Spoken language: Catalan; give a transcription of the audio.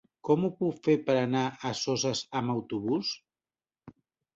Com ho puc fer per anar a Soses amb autobús?